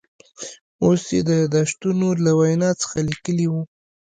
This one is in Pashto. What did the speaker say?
اوس یې د یاداشتونو له وینا څخه لیکلي و.